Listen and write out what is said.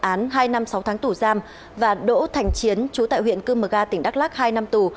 án hai năm sáu tháng tù giam và đỗ thành chiến chú tại huyện cư mờ ga tỉnh đắk lắc hai năm tù